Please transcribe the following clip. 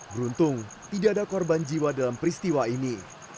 beruntung tidak ada korban jiwa dalam peristiwa ini